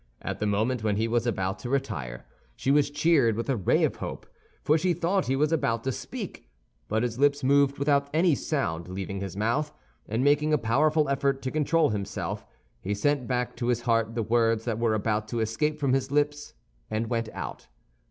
At the moment when he was about to retire, she was cheered with a ray of hope, for she thought he was about to speak; but his lips moved without any sound leaving his mouth, and making a powerful effort to control himself, he sent back to his heart the words that were about to escape from his lips, and went out.